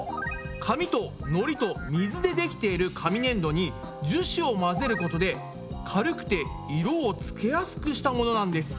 紙とのりと水でできている紙ねんどに樹脂を混ぜることで軽くて色をつけやすくしたものなんです。